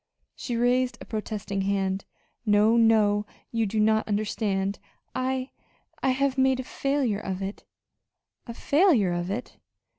She raised a protesting hand. "No, no, you do not understand. I I have made a failure of it." "A failure of it!"